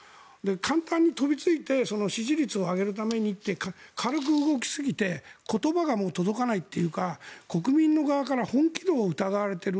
簡単に飛びついて支持率を上げるためにって軽く動きすぎて言葉がもう届かないというか国民の側から本気度を疑われている。